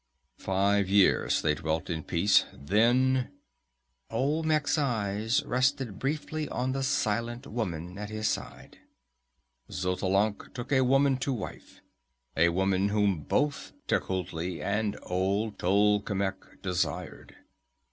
"Five years they dwelt in peace. Then" Olmec's eyes rested briefly on the silent woman at his side "Xotalanc took a woman to wife, a woman whom both Tecuhltli and old Tolkemec desired.